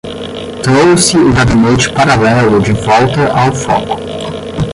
Trouxe o gabinete paralelo de volta ao foco